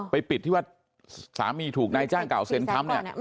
ไปปิดที่ว่าสามีถูกนายจ้างเก่าเซนต์คำนะ